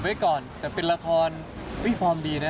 ไว้ก่อนแต่เป็นละครพี่ฟอร์มดีนะ